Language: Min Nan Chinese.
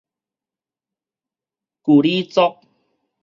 舊里族